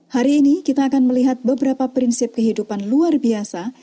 hari ini kita akan melihat beberapa prinsip kehidupan luar biasa